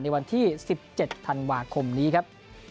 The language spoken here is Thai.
ในวันที่๑๗ธันวาคมนี้ครับ